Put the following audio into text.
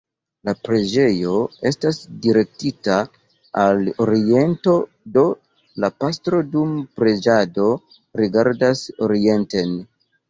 La preĝejo estas direktita al oriento, do la pastro dum preĝado rigardas orienten.